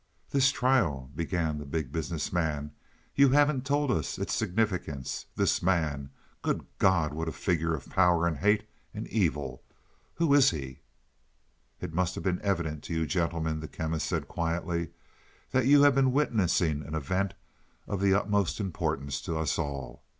"This trial " began the Big Business Man. "You haven't told us its significance. This man good God what a figure of power and hate and evil. Who is he?" "It must have been evident to you, gentlemen," the Chemist said quietly, "that you have been witnessing an event of the utmost importance to us all.